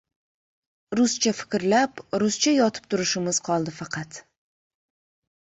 Ruscha fikrlab, ruscha yotib-turishimiz qoldi faqat